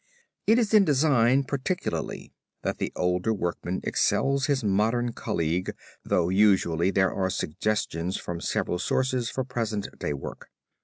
It is in design particularly that the older workman excels his modern colleague though usually there are suggestions from several sources for present day work.